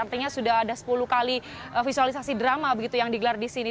artinya sudah ada sepuluh kali visualisasi drama begitu yang digelar di sini